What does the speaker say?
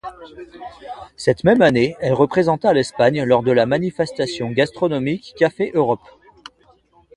Cette même année, elle représenta l'Espagne lors de la manifestation gastronomique Café Europe.